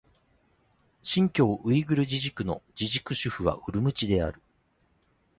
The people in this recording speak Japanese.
新疆ウイグル自治区の自治区首府はウルムチである